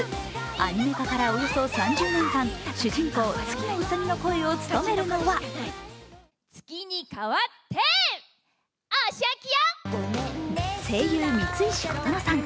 アニメ化からおよそ３０年間主人公・月野うさぎの声を務めるのは声優・三石琴乃さん。